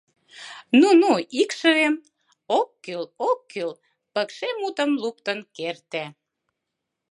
— Ну-ну, икшывем, ок кӱл, ок кӱл, — пыкше мутым луктын керте.